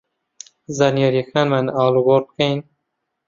زانیارییەکانمان ئاڵوگۆڕ بکەین